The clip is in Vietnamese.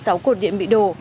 ba mươi sáu cột điện bị đổ